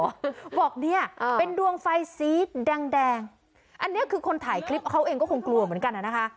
บอกเนี่ยเป็นดวงไฟสีแดงแดงอันนี้คือคนถ่ายคลิปเขาเองก็คงกลัวเหมือนกันอ่ะนะคะ